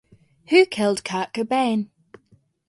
Who Killed Kurt Cobain?